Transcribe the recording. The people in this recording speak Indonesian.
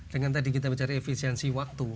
dengan tadi kita bicara efisiensi waktu